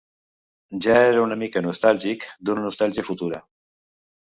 Ja era una mica nostàlgic, d'una nostàlgia futura.